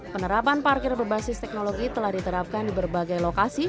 penerapan parkir berbasis teknologi telah diterapkan di berbagai lokasi